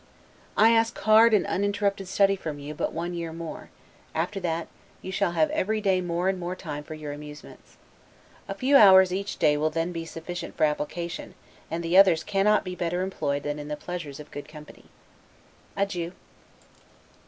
I ask hard and uninterrupted study from you but one year more; after that, you shall have every day more and more time for your amusements. A few hours each day will then be sufficient for application, and the others cannot be better employed than in the pleasures of good company. Adieu.